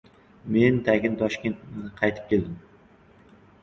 Men tagin Toshkent qaytib keldim.